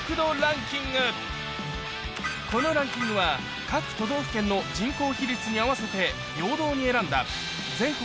このランキングは各都道府県の人口比率に合わせて平等に選んだ全国